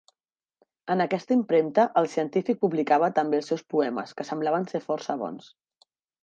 En aquesta impremta el científic publicava també els seus poemes, que semblaven ser força bons.